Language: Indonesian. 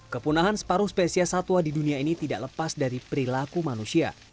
kepunahan separuh spesies satwa di dunia ini tidak lepas dari perilaku manusia